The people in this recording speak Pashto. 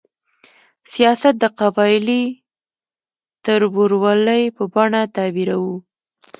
سیاست د قبایلي تربورولۍ په بڼه تعبیروو.